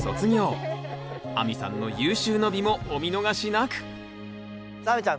亜美さんの有終の美もお見逃しなくさあ亜美ちゃん